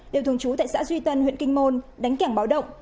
đều thường trú tại xã duy tân huyện kinh môn đánh kẻng báo động